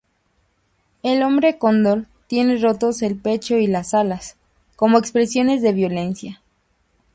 El hombre-cóndor tiene rotos en el pecho y las alas, como expresiones de violencia.